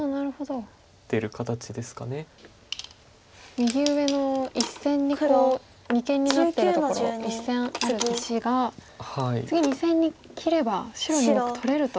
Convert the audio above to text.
右上の１線に二間になってるところ１線ある石が次２線に切れば白２目取れると。